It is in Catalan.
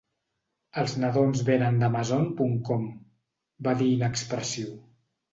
"Els nadons venen d'amazon.com", va dir inexpressiu.